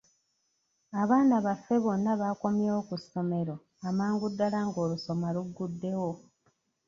Abaana baffe bonna baakomyewo ku ssomero amangu ddala ng'olusoma lugguddewo.